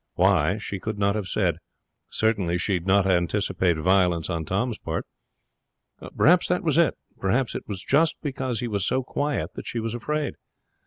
Why, she could not have said. Certainly she did not anticipate violence on Tom's part. Perhaps that was it. Perhaps it was just because he was so quiet that she was afraid.